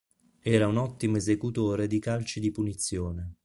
Era un ottimo esecutore di calci di punizione.